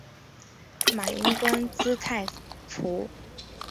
马英官至太仆。